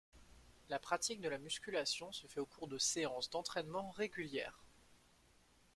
La pratique de la musculation se fait au cours de séances d’entraînement régulières.